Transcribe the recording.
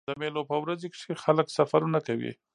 د مېلو په ورځو کښي خلک سفرونه کوي.